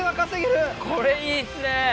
これいいっすね。